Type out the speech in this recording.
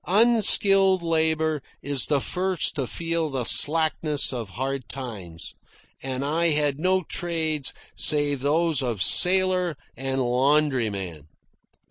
Unskilled labour is the first to feel the slackness of hard times, and I had no trades save those of sailor and laundryman.